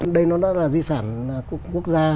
đây nó đã là di sản của quốc gia